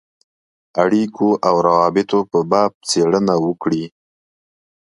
اړېکو او روابطو په باب څېړنه وکړي.